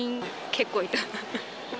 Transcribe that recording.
結構いた。